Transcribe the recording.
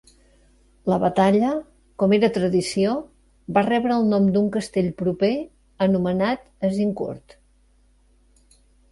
La batalla, com era tradició, va rebre el nom d'un castell proper anomenat Azincourt.